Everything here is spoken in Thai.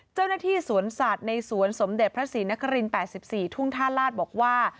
เจ้าหน้าที่สวนสัตว์ในสวนสมเด็จพระศรีนคริน๘๔ทุ่งท่าลาศบอกว่า